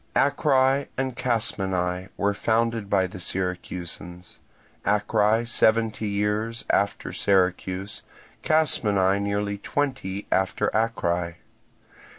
Acrae and Casmenae were founded by the Syracusans; Acrae seventy years after Syracuse, Casmenae nearly twenty after Acrae.